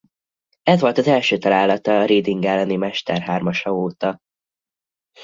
Ez volt az első találata a Reading elleni mesterhármasa óta.